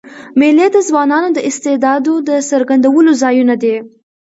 مېلې د ځوانانو د استعدادو د څرګندولو ځایونه دي.